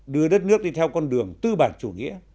đưa đất nước đi theo con đường tư bản chủ nghĩa